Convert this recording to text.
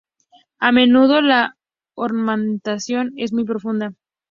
A menudo la ornamentación es muy profusa.